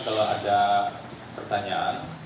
kalau ada pertanyaan